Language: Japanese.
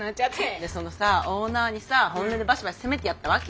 でそのオーナーにさ本音でバシバシ攻めてやったわけよ。